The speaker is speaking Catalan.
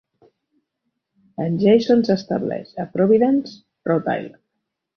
En Jason s'estableix a Providence, Rhode Island.